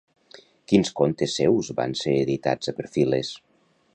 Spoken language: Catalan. Quins contes seus van ser editats a Perfiles?